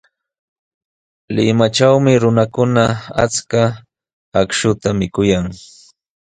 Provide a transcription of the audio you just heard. Limatrawmi runakuna achka akshuta mikuyan.